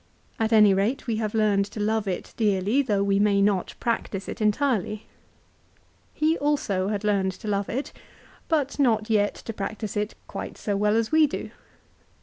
At any rate we have learned to love it dearly, though we may not practise it entirely. He also had learned to love it, but not yet to practise it quite so well as we do.